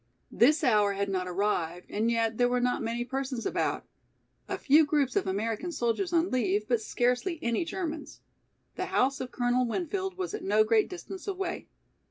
This hour had not arrived and yet there were not many persons about, a few groups of American soldiers on leave, but scarcely any Germans. The house of Colonel Winfield was at no great distance away.